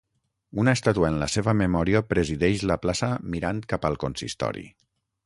Una estàtua en la seva memòria presideix la plaça mirant cap al consistori.